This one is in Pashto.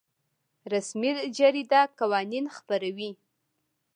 رسمي جریده قوانین خپروي